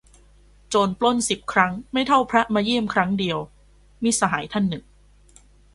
"โจรปล้นสิบครั้ง ไม่เท่าพระมาเยี่ยมครั้งเดียว" - มิตรสหายท่านหนึ่ง